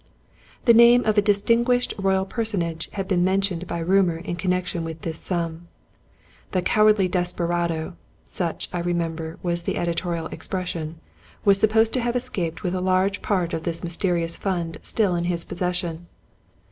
The name of a distinguished royal personage had been mentioned by rumor in connec tion with this sum. "The cowardly desperado" — such, I remember, was the editorial expression — ^was supposed to have escaped with a large part of this mysterious fund still in his possession.